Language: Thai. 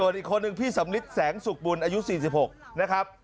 อีกคนนึงพี่สำลิดแสงสุขบุญอายุ๔๖นะครับ